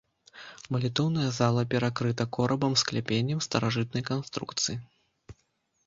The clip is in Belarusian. Малітоўная зала перакрыта корабам скляпеннем старажытнай канструкцыі.